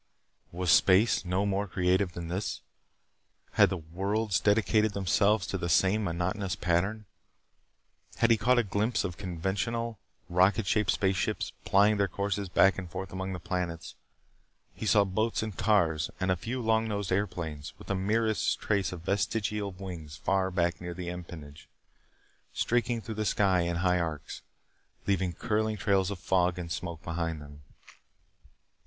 Was space no more creative than this? Had the worlds dedicated themselves to the same monotonous pattern? He had caught a glimpse of conventional, rocket shaped spaceships, plying their courses back and forth among the planets. He saw boats and cars and a few long nosed airplanes, with the merest trace of vestigial wings far back near the empennage, streaking through the sky in high arcs, leaving curling trails of fog and smoke behind them.